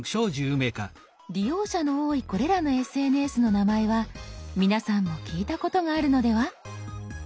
利用者の多いこれらのＳＮＳの名前は皆さんも聞いたことがあるのでは？